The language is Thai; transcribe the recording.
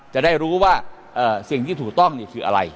จะได้รู้ว่าสิ่งที่ถูกต้องคืออะไร